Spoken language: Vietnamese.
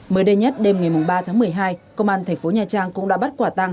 mới đây nhất đêm ngày ba tháng một mươi hai công an thành phố nha trang cũng đã bắt quả tăng